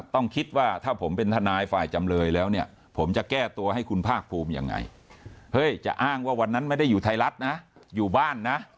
ต้องคิดว่าถ้าผมเป็นทนายฝ่ายจำเลยแล้วเนี่ยผมจะแก้ตัวให้คุณภาคภูมิยังไงเฮ้ยจะอ้างว่าวันนั้นไม่ได้อยู่ไทยรัฐนะอยู่บ้านนะ